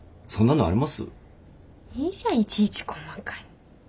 いいじゃんいちいち細かい。